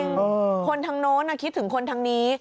คนทางโน้นคิดถึงคนทางนี้